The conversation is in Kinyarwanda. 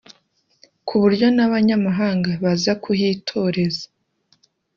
ku buryo n’abanyamahanga baza kuhitoreza